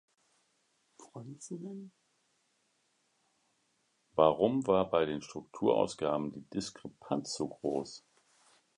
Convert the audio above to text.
Warum war bei den Strukturausgaben die Diskrepanz so groß?